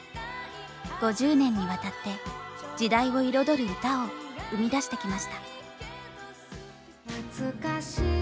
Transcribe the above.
５０年にわたって時代を彩る歌を生み出してきました。